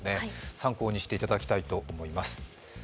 参考にしていただきたいと思います。